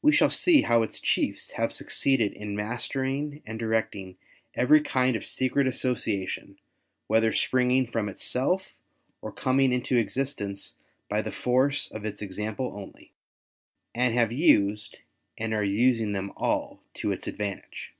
We shall see how its chiefs have succeeded in mastering and directing every kind of secret association whether springing from itself or coming into existence by the force of its example only ; and have used, and are using them all to its advantage.